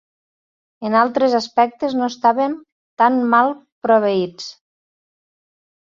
En altres aspectes no estàvem tan mal proveïts.